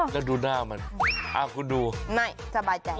แล้วดูหน้ามันคุณดูไม่สบายใจ